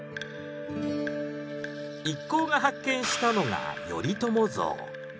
一行が発見したのが頼朝像。